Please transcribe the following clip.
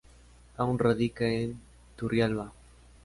Aun radica en Turrialba.